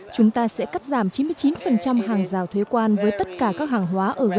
chúng ta sẽ cắt giảm chín mươi chín hàng rào thuế quan với tất cả các hàng hóa